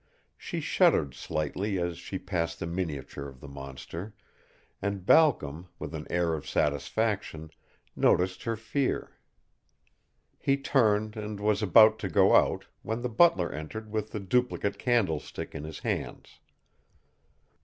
She shuddered slightly as she passed the miniature of the monster, and Balcom, with an air of satisfaction, noticed her fear. He turned and was about to go out, when the butler entered with the duplicate candlestick in his hands.